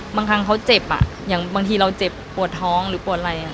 บางครั้งเขาเจ็บอย่างบางทีเราเจ็บปวดท้องหรือปวดอะไร